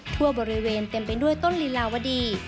ทั่วบริเวณเต็มไปด้วยต้นลิลาวดี